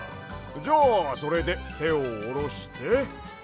じゃあそれでてをおろして。